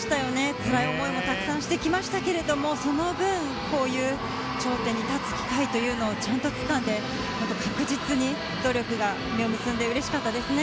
つらい思いもたくさんしてきましたけれどもその分、こういう頂点に立つ機会というのをちゃんとつかんで確実に努力が実を結んでうれしかったですね。